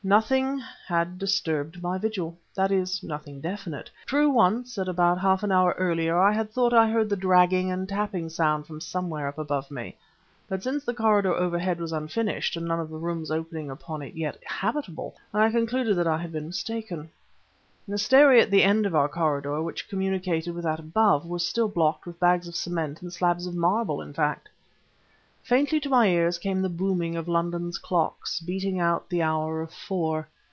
Nothing had disturbed my vigil that is, nothing definite. True once, about half an hour earlier, I had thought I heard the dragging and tapping sound from somewhere up above me; but since the corridor overhead was unfinished and none of the rooms opening upon it yet habitable, I concluded that I had been mistaken. The stairway at the end of our corridor, which communicated with that above, was still blocked with bags of cement and slabs of marble, in fact. Faintly to my ears came the booming of London's clocks, beating out the hour of four.